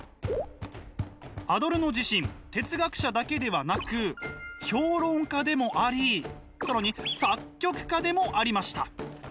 アドルノ自身哲学者だけではなく評論家でもあり更に作曲家でもありました。